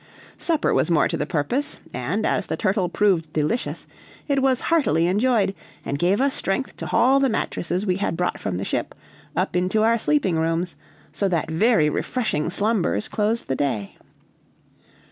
Supper was more to the purpose; and, as the turtle proved delicious, it was heartily enjoyed, and gave us strength to haul the mattresses we had brought from the ship up into our sleeping rooms, so that very refreshing slumbers closed the day.